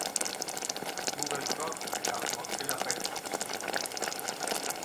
Google Chrome eta Mozilla Firefox